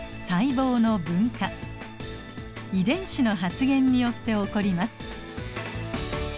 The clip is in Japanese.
遺伝子の発現によって起こります。